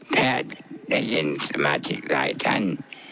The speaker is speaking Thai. ถ้าได้ยินสมาธิกรายท่าน